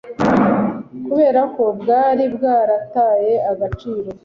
kubera ko bwari bwarataye agaciro